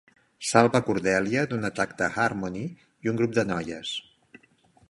Salva a Cordelia d'un atac de Harmony i un grup de noies.